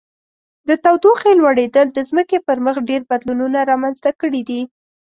د تودوخې لوړیدل د ځمکې پر مخ ډیر بدلونونه رامنځته کړي دي.